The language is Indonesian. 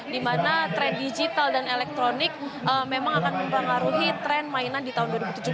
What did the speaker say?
di mana tren digital dan elektronik memang akan mempengaruhi tren mainan di tahun dua ribu tujuh belas